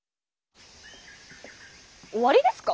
終わりですか？